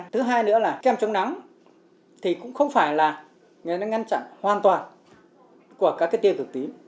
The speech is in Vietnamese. thứ hai nữa là kem chống nắng thì cũng không phải là người ta ngăn chặn hoàn toàn của các cái tiêu cực tím